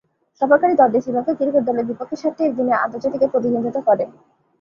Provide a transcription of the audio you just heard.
সফরকারী দলটি শ্রীলঙ্কা ক্রিকেট দলের বিপক্ষে সাতটি একদিনের আন্তর্জাতিকে প্রতিদ্বন্দ্বিতা করে।